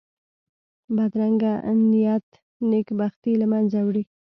بدرنګه نیت نېک بختي له منځه وړي